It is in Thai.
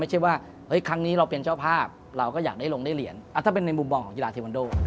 ว่าครั้งนี้เราเป็นเจ้าภาพเราก็อยากได้ลงได้เหรียญถ้าเป็นในมุมมองของกีฬาเทวันโด